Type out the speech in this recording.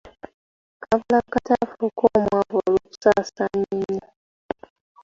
Kaabulakata afuuke omwavu olw'okusaasaanya ennyo.